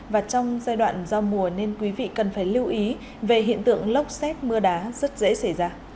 và trong giai đoạn giao mùa nên quý vị cần phải lưu ý về hiện tượng lốc xét mưa đá rất dễ xảy ra